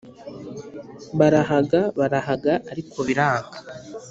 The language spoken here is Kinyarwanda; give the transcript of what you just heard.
Barahaga barahaga ariko biranga